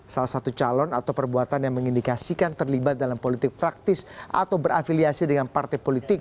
salah satu calon atau perbuatan yang mengindikasikan terlibat dalam politik praktis atau berafiliasi dengan partai politik